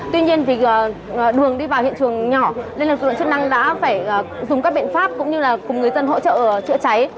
tuy nhiên thì đường đi vào hiện trường nhỏ nên lực lượng chức năng đã phải dùng các biện pháp cũng như là cùng người dân hỗ trợ chữa cháy